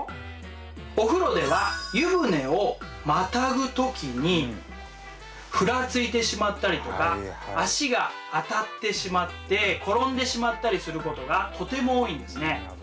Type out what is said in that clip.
お風呂では湯船をまたぐ時にふらついてしまったりとか足が当たってしまって転んでしまったりすることがとても多いんですね。